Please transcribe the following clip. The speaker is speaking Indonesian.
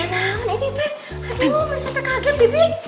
aduh sampai kaget bibi